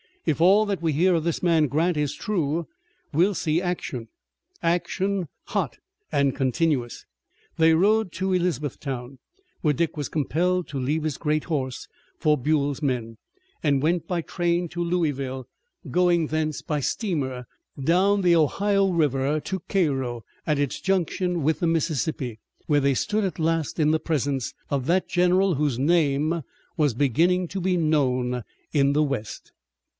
If all that we hear of this man Grant is true, we'll see action, action hot and continuous." They rode to Elizabethtown, where Dick was compelled to leave his great horse for Buell's men, and went by train to Louisville, going thence by steamer down the Ohio River to Cairo, at its junction with the Mississippi, where they stood at last in the presence of that general whose name was beginning to be known in the west.